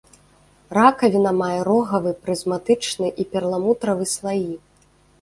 Ракавіна мае рогавы, прызматычны і перламутравы слаі.